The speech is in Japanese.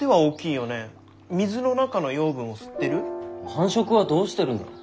繁殖はどうしてるんだろう？